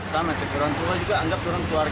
sama orang tua juga anggap orang keluarga